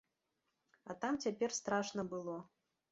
А там цяпер страшна было.